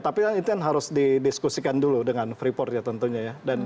tapi itu yang harus didiskusikan dulu dengan freeport ya tentunya ya